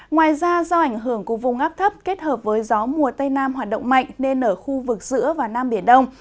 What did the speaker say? ngoài ra do ảnh hưởng của vùng áp thấp kết hợp với gió mùa tây nam hoạt động mạnh nên ở khu vực giữa và nam biển đông